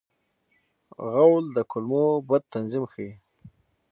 غول د کولمو بد تنظیم ښيي.